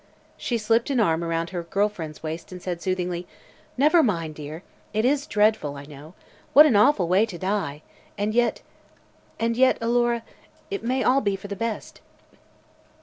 She slipped an arm around her girl friend's waist and said soothingly: "Never mind, dear. It is dreadful, I know. What an awful way to die! And yet and yet, Alora it may be all for the best."